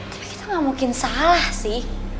tapi kita gak mungkin salah sih